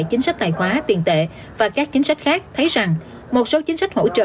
chính sách tài khóa tiền tệ và các chính sách khác thấy rằng một số chính sách hỗ trợ